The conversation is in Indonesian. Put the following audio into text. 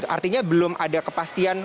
artinya belum ada kepastian